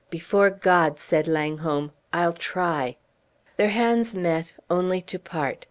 "Before God," said Langholm, "I'll try!" Their hands met only to part.